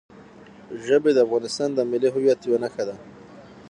ژبې د افغانستان د ملي هویت یوه نښه ده.